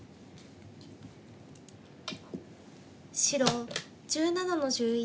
白１７の十一。